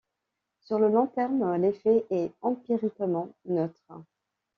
Sur le long terme, l'effet est empiriquement neutre.